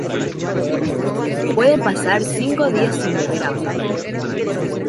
Pueden pasar cinco días sin beber agua.